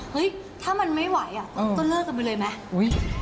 เฮ้ยถ้ามันไม่ไหวอ่ะก็เลิกกันไปเลยไหม